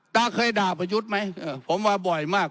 ตาเคยด่าประยุทธ์ไหมผมว่าบ่อยมาก